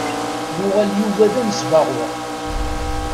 Yuɣal Yuba d anesbaɣur.